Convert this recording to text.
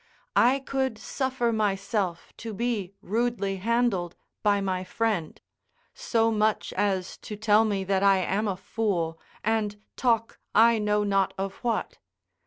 I could suffer myself to be rudely handled by my friend, so much as to tell me that I am a fool, and talk I know not of what.